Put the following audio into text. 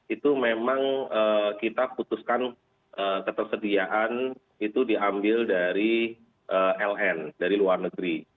itu memang kita putuskan ketersediaan itu diambil dari ln dari luar negeri